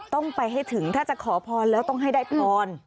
ต้องไปให้ถึงถ้าจะขอพรแล้วต้องให้ได้พร